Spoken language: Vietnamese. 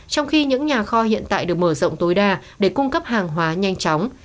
trong khi những nhà kho hiện tại được mở rộng tối đa để cung cấp hàng hóa nhanh chóng